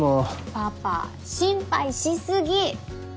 パパ心配し過ぎ！